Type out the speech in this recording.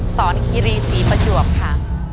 สอนคิรีสีประจวบค่ะ